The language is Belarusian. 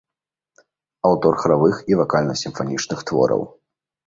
Аўтар харавых і вакальна-сімфанічных твораў.